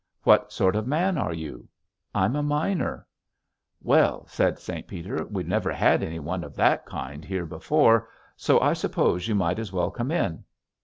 "What sort of man are you?" "I'm a miner." "Well," said St. Peter, "we've never had anyone of that kind here before, so I suppose you might as well come in."